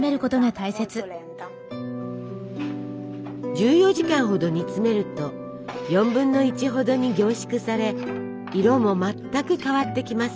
１４時間ほど煮詰めると４分の１ほどに凝縮され色も全く変わってきます。